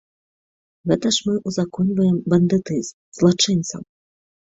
Гэта ж мы ўзаконьваем бандытызм, злачынцаў!